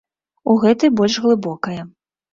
У гэтай больш глыбокае.